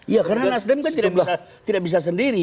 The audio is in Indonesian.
iya karena nasrim kan tidak bisa sendiri